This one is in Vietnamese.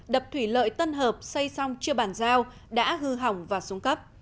đập thủy lợi tân hợp xây xong chưa bàn giao đã hư hỏng và xuống cấp